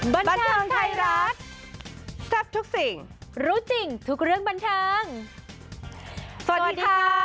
บันเทิงไทยรัฐแซ่บทุกสิ่งรู้จริงทุกเรื่องบันเทิงสวัสดีค่ะ